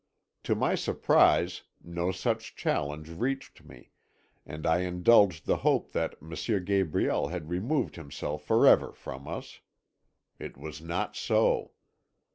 To my surprise no such challenge reached me, and I indulged the hope that M. Gabriel had removed himself forever from us. It was not so.